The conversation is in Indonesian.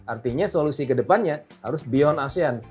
artinya solusi kedepannya harus beyond asean